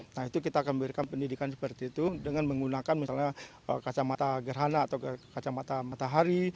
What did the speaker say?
nah itu kita akan memberikan pendidikan seperti itu dengan menggunakan misalnya kacamata gerhana atau kacamata matahari